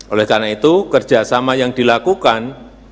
oleh karena itu kerjasama yang dilakukan